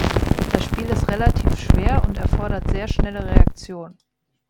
Das Spiel ist relativ schwer und erfordert sehr schnelle Reaktion.